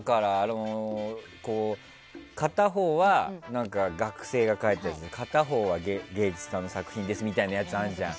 片方は学生が描いたやつで片方は芸術家の作品ですみたいなやつあるじゃん。